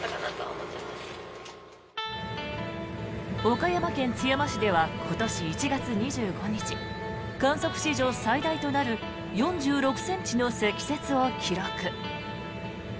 岡山県津山市では今年１月２５日観測史上最大となる４６ｃｍの積雪を記録。